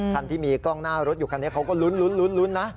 คันที่มีกล้องหน้ารถอยู่คันนี้เขาก็ลุ้นนะ